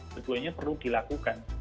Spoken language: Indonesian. keduanya perlu dilakukan